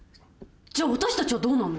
じゃあ私たちはどうなんの？